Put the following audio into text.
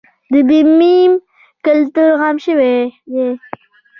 د بیمې کلتور عام شوی دی؟